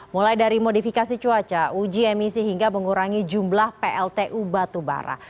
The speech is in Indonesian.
mulai dari modifikasi cuaca uji emisi hingga mengurangi jumlah pltu batubara